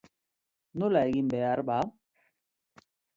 Nola egin behar ba?